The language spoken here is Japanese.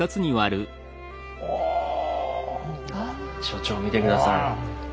所長見て下さい。